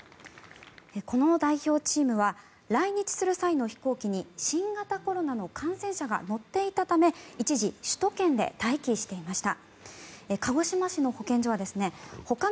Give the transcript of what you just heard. この代表チームは来日する際の飛行機に新型コロナの感染者が乗っていたため一時、首都圏で待機していました。